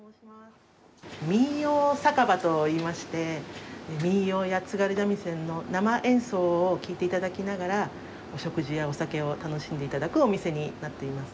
民謡酒場といいまして民謡や津軽三味線の生演奏を聴いて頂きながらお食事やお酒を楽しんで頂くお店になっています。